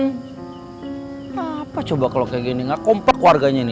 kenapa coba kalau kayak gini nggak kompak warganya nih